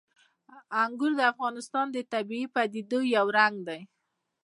انګور د افغانستان د طبیعي پدیدو یو رنګ دی.